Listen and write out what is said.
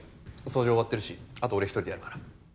掃除終わってるしあと俺一人でやるから。